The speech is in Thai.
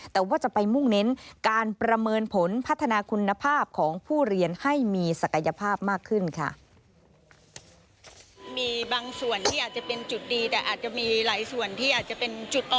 แต่ว่าจะไปมุ่งเน้นการประเมินผลพัฒนาคุณภาพของผู้เรียน